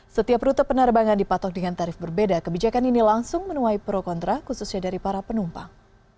setiap rute penerbangan dipatok dengan tarif berbeda kebijakan ini langsung menuai pro kontra khususnya dari para penumpang